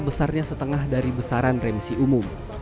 besarnya setengah dari besaran remisi umum